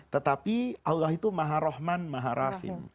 tetapi allah itu maha rahman maha rahim